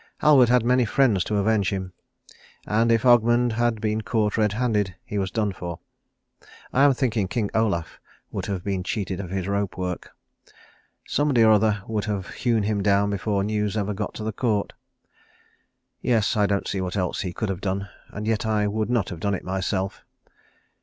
Halward had many friends to avenge him; and if Ogmund had been caught red handed he was done for. I am thinking King Olaf would have been cheated of his rope work. Somebody or other would have hewn him down before news ever got to the Court. Yes, I don't see what else he could have done and yet I would not have done it myself.